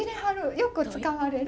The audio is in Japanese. よく使われる？